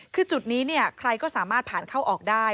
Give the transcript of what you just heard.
คือจุดนี้ใครก็สามารถผ่านเข้าออกได้